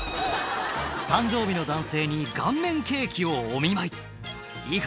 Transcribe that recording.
誕生日の男性に顔面ケーキをお見舞い「いいか？